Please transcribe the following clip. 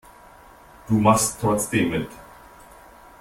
Du machst trotzdem mit.